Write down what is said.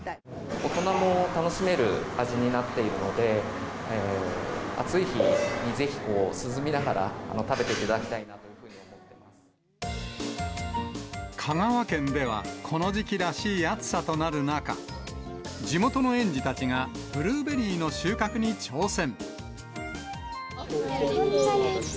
大人も楽しめる味になっているので、暑い日にぜひ涼みながら食べていただきたいなというふうに思って香川県では、この時期らしい暑さとなる中、地元の園児たちがブルーベリーの収穫に挑戦。